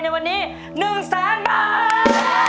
กลับไปในวันนี้๑๑๐๐๐บาท